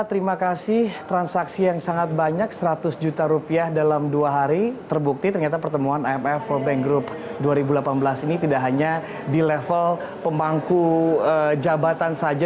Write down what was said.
terima kasih transaksi yang sangat banyak seratus juta rupiah dalam dua hari terbukti ternyata pertemuan imf world bank group dua ribu delapan belas ini tidak hanya di level pemangku jabatan saja